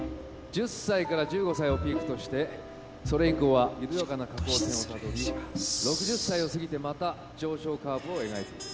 １０歳から１５歳をピークとしてそれ以降は緩やかな下降線をたどり６０歳を過ぎてまた上昇カーブを描いている。